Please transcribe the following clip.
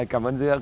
rồi cảm ơn duyên